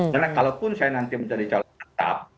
karena kalaupun saya nanti menjadi calon tetap